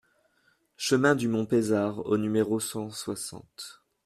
Chemin du Mont Pezard au numéro cent soixante